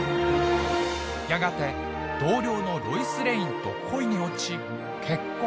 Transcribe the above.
やがて同僚のロイス・レインと恋に落ち結婚。